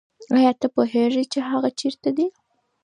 آیا ته پوهېږې چې هغه چېرته دی؟